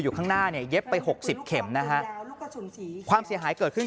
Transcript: ข้างหน้าเนี่ยเย็บไปหกสิบเข็มนะฮะความเสียหายเกิดขึ้น